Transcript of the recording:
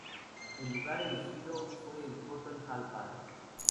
El lugar elegido fue el Cotton Hall Park.